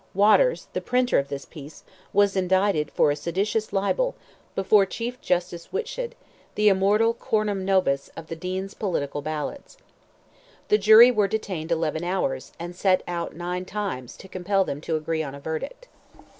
Waters, the printer of this piece, was indicted for a seditious libel, before Chief Justice Whitshed, the immortal "coram nobis" of the Dean's political ballads. The jury were detained eleven hours, and sent out nine times, to compel them to agree on a verdict.